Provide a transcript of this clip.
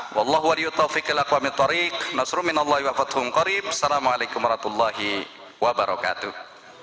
wallahu waliutaufiqilakum wa mitariq nasrum minallahu wa fathum qarim assalamualaikum warahmatullahi wabarakatuh